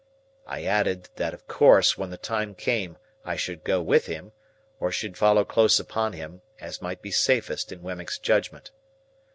I added, that of course, when the time came, I should go with him, or should follow close upon him, as might be safest in Wemmick's judgment.